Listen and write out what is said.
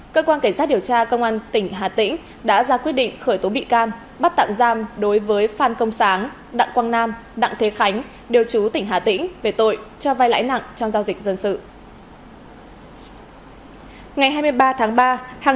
cơ quan cảnh sát điều tra công an tỉnh hà tĩnh đã ra quyết định khởi tố bị can bắt tạm giam đối với phan công sáng đặng quang nam đặng thế khánh điều chú tỉnh hà tĩnh về tội cho vai lãi nặng